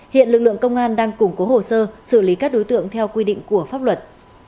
hiện lực lượng công an đang củng cố hồ sơ xử lý các đối tượng theo quy định của pháp luật